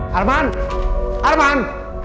karena lo ngerasa gue bermain